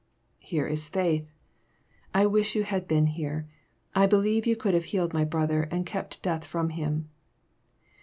Here is faith. I wish you had been here. I believe yon could have healed my brother, and kept death from him."